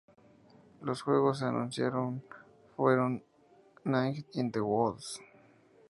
Los juegos que se anunciaron fueron Night in the Woods.